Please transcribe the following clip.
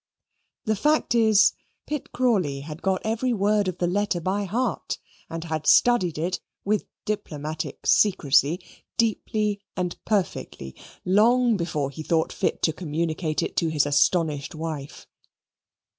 The fact is, Pitt Crawley had got every word of the letter by heart and had studied it, with diplomatic secrecy, deeply and perfectly, long before he thought fit to communicate it to his astonished wife.